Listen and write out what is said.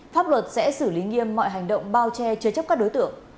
pháp luật sẽ xử lý nghiêm mọi hành động bao che chứa chấp các đối tượng